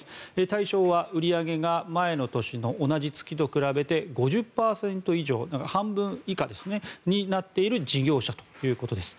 対象は、売り上げが前の年の同じ月と比べて５０％以上、半分以下ですねそうなっている事業者ということです。